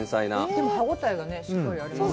でも、歯応えがしっかりありますね。